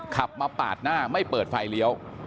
ขับมาปาดหน้าไม่เปิดไฟเลี้ยว